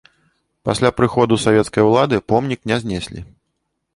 Пасля прыходу савецкай улады помнік не знеслі.